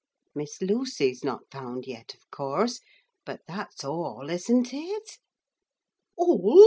'Miss Lucy's not found yet, of course, but that's all, isn't it?' 'All?